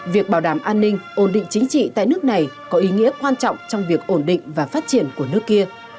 việc bảo đảm an ninh ổn định chính trị tại nước này có ý nghĩa quan trọng trong việc ổn định và phát triển của nước kia